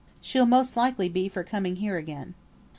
She'll most likely be for coming here again.